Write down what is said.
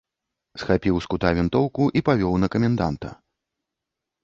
Схапіў з кута вінтоўку і павёў на каменданта.